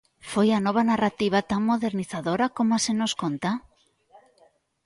Foi a Nova Narrativa tan modernizadora como se nos conta?